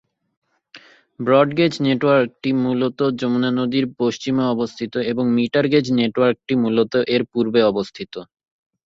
Broad gauge network মূলত যমুনা নদীর পশ্চিমে অবস্থিত, এবং মিটার গেজ নেটওয়ার্কটি মূলত এর পূর্বে অবস্থিত।